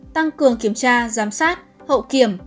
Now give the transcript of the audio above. tăng cường kiểm tra giám sát hậu kiểm